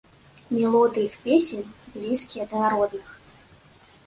Мелодыі іх песень блізкія да народных.